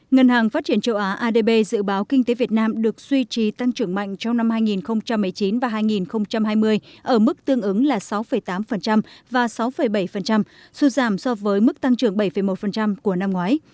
ngân hàng phát triển châu á adb dự báo kinh tế việt nam được suy trì tăng trưởng mạnh trong năm hai nghìn một mươi chín và hai nghìn hai mươi ở mức tương ứng là sáu tám và sáu bảy xu giảm so với mức tăng trưởng bảy một của năm ngoái